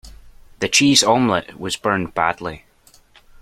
The cheese omelette was burned badly.